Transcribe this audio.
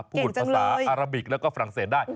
พูดภาษาอาราบิกแล้วก็ฝรั่งเศสได้